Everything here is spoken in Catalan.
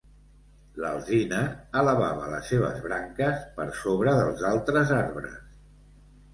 L'alzina elevava les seves branques per sobre dels altres arbres.